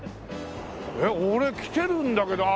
えっ俺来てるんだけど